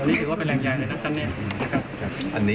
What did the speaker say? อันนี้ถือว่าเป็นแหล่งใหญ่เลยนะ